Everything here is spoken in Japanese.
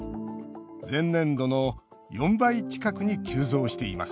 前年度の４倍近くに急増しています。